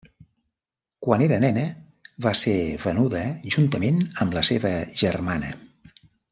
Quan era nena, va ser venuda juntament amb la seva germana.